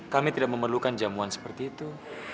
kami tidak memerlukan jamuan seperti itu